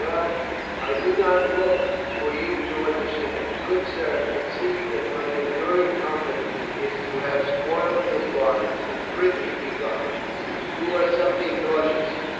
"Well, I do not look for you to understand. Good sir, conceive that my enduring comfort is to have spoiled your plot. And prithee, be gone. You are something nauseous."